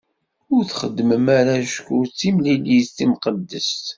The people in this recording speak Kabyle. Ur txeddmem ara acku d timlilit timqeddest.